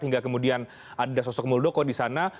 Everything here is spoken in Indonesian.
hingga kemudian ada sosok muldoko di sana